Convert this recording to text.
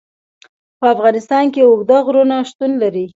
په افغانستان کې اوږده غرونه شتون لري.